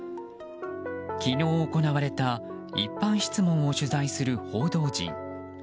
昨日行われた一般質問を取材する報道陣。